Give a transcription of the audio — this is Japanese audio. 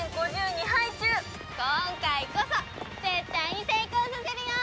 今回こそ絶対に成功させるよ！